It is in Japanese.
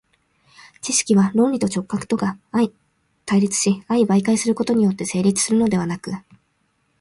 知識は論理と直覚とが相対立し相媒介することによって成立するのではなく、